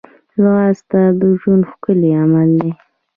ځغاسته د ژوند ښکلی عمل دی